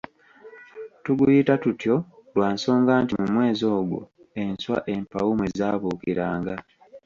Tuguyita tutyo lwa nsonga nti mu mwezi ogwo enswa empawu mwe zaabuukiranga.